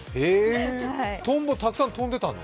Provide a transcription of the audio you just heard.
トンボ、たくさん飛んでいたんですか？